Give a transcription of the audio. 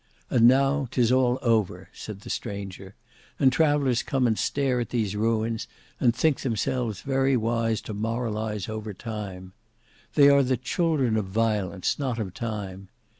And now 'tis all over," said the stranger; "and travellers come and stare at these ruins, and think themselves very wise to moralize over time. They are the children of violence, not of time.